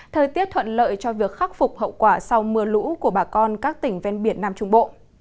thời tiết thuận lợi cho việc khắc phục hậu quả sau mưa lũ của bà con các tỉnh ven biển nam trung bộ